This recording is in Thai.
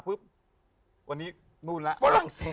ฟรั่งเศส